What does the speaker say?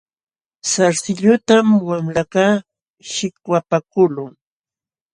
Sarsilluntam wamlakaq shikwapakuqlun.